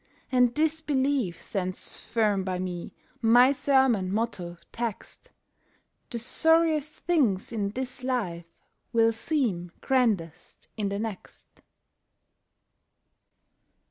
And this belief stands firm by me, my sermon, motto, text— The sorriest things in this life will seem grandest in the next.